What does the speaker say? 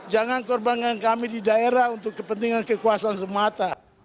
jangan korbankan kami di daerah untuk kepentingan kekuasaan semata